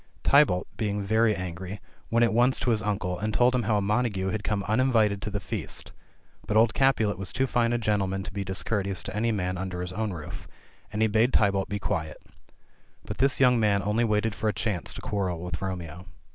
Tybalt, being very angry, went at once to his uncle, and told him how a Montagu had come uninvited to the feast; but old Capulet was too fine a gentleman to be discourteous to any man under his own roof, and he bade Tybalt be quiet. But this young man only waited for a chance to quarrel with Romeo.